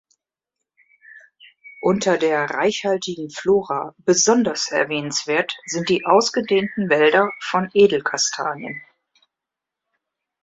Unter der reichhaltigen Flora besonders erwähnenswert sind die ausgedehnten Wälder von Edelkastanien.